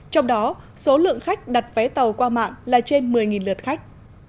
trong đó số lượng khách đặt vé tàu qua mạng là trên một mươi lượt khách